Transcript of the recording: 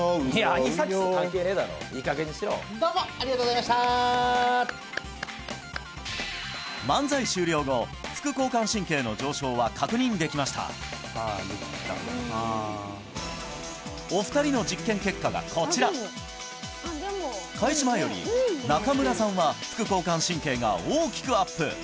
アニサキス関係ねえだろいい加減にしろどうもありがとうございました漫才終了後副交感神経の上昇は確認できましたお二人の実験結果がこちら開始前より中村さんは副交感神経が大きくアップ